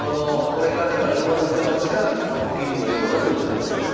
これがだから馬の形がノコギリのようだってことですね？